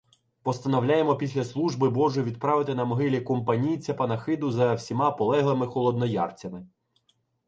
Постановляємо після служби Божої відправити на могилі Компанійця панахиду за всіма полеглими холодноярцями.